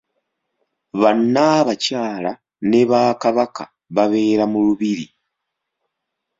Bannaabakyala ne bakabaka babeera mu lubiri.